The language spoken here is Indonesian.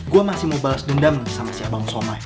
gue masih mau balas dendam sama si abang somai